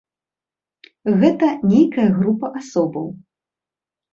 Гэта нейкая група асобаў.